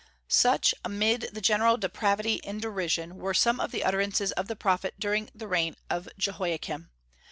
Such, amid general depravity and derision, were some of the utterances of the prophet, during the reign of Jehoiakim.